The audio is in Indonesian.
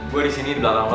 gue di sini di belakang lo